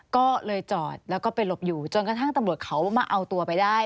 ก็เลยจอดแล้วก็ไปหลบอยู่จนกระทั่งตำรวจเขามาเอาตัวไปได้